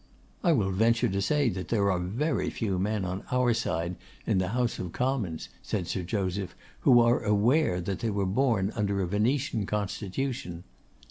'I will venture to say that there are very few men on our side in the House of Commons,' said Sir Joseph, 'who are aware that they were born under a Venetian Constitution.